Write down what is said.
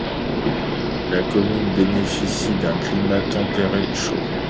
La commune bénéficie d'un climat tempéré, chaud.